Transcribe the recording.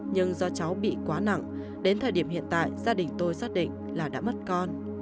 nhưng do cháu bị quá nặng đến thời điểm hiện tại gia đình tôi xác định là đã mất con